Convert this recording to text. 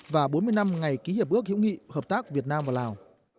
và bốn mươi năm ngày ký hiệp ước hữu nghị hợp tác việt nam và lào